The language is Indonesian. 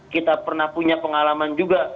kita pernah punya pengalaman juga